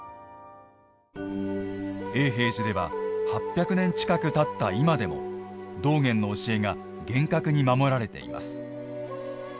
永平寺では、８００年近くたった今でも、道元の教えが厳格に守られています。